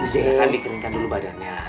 silahkan dikeringkan dulu badannya